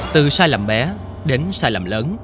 từ sai lầm bé đến sai lầm lớn